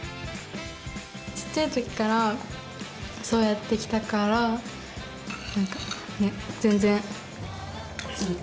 ちっちゃいときからそうやってきたからなんかね全然普通です。